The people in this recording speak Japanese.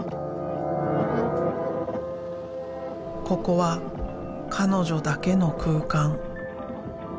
ここは彼女だけの空間。